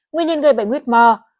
nguyên nhân gây bệnh whitmore